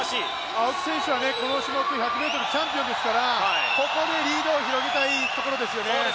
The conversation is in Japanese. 青木選手は、この種目１００ｍチャンピオンですからここでリードを広げたいところですよね。